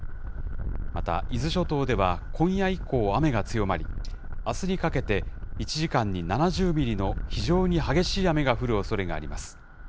また、伊豆諸島では今夜以降、雨が強まり、あすにかけて１時間に７０ミリの非常に激しい雨が降るおそれがあります。